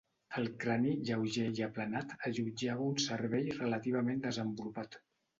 El crani, lleuger i aplanat allotjava un cervell relativament desenvolupat.